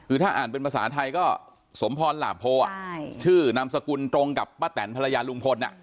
คือถ้าอ่านเป็นภาษาไทยก็สมพรหลาโพชื่อนามสกุลตรงกับป้าแตนภรรยาลุงพล